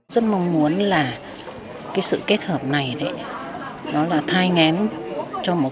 rất mong muốn là sự kết hợp này thai ngán cho một loại hình nghệ thuật